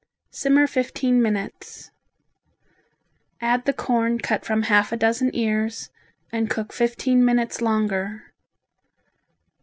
Simmer fifteen minutes. Add the corn cut from half a dozen ears, and cook fifteen minutes longer.